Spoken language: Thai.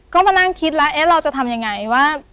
ก็มานั่งคิดแล้วเราจะทำยังไงว่า